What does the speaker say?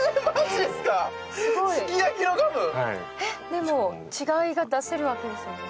でも違いが出せるわけですよね。